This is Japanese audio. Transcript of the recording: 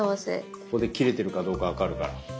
ここで切れてるかどうか分かるから。